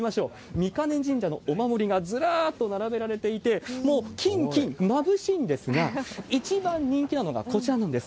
御金神社のお守りがずらーっと並べられていて、もう金、金、まぶしいんですが、一番人気なのがこちらなんです。